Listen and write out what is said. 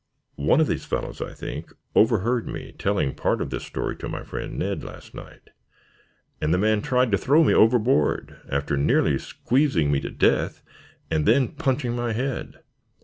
One of these fellows, I think, overheard me telling part of this story to my friend, Ned, last night, and the man tried to throw me overboard, after nearly squeezing me to death and then punching my head.